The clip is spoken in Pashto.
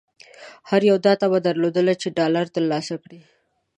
هر یوه دا طمعه درلوده چې ډالر ترلاسه کړي.